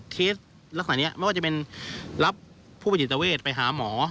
เคสลักษณะนี้ไม่ว่าจะเป็นรับผู้ประจิตเวทไปหาหมอ